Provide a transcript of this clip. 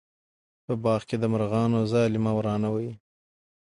په باغ کې د مرغانو ځالې مه ورانوئ.